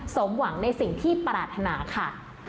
สมหวังในสิ่งที่ปรารถนาค่ะ